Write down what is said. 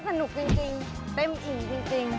แต่ว่าสนุกจริงเต้มหญิงจริง